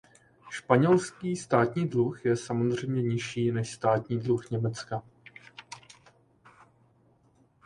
Španělský státní dluh je samozřejmě nižší než státní dluh Německa.